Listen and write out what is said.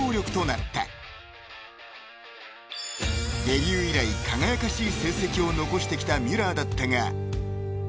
［デビュー以来輝かしい成績を残してきたミュラーだったが］